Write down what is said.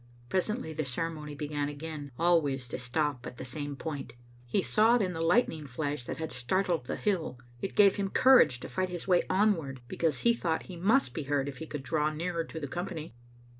Presently the ceremony began again, always to stop at the same point. He saw it in the lightning flash that had startled the hill. It gave him courage to fight his way onward, because he thought he must be heard if he could draw nearer to the company.